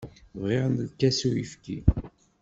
Bɣiɣ lkas n uyefki.